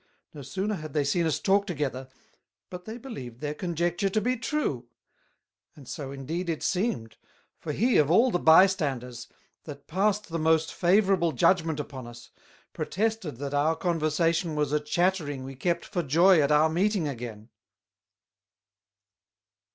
no sooner had they seen us talk together, but they believed their Conjecture to be true; and so, indeed, it seemed; for he of all the By standers, that past the most favourable Judgment upon us, protested that our Conversation was a Chattering we kept for Joy at our meeting again.